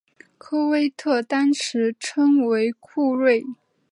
科威特当时称为库锐。